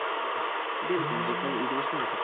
デイビッドの実家に移動したんですよ